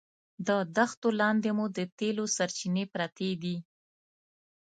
د دښتو لاندې مو د تېلو سرچینې پرتې دي.